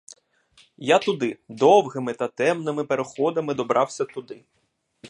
Я туди: довгими та темними переходами добрався туди.